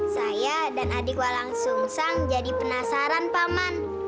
saya dan adik walang sum sang jadi penasaran paman